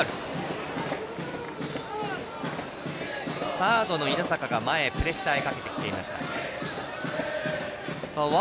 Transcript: サードの稲坂が前へプレッシャーをかけてきていました。